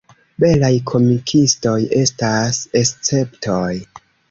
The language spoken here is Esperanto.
Belaj komikistoj estas esceptoj.